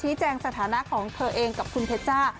แจ้งสถานะของเธอเองกับคุณเพชจ้า